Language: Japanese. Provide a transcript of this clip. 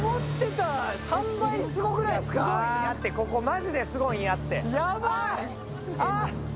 すごいんやって、ここマジですごいんやって。